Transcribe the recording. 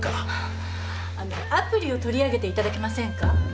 アプリを取り上げていただけませんか？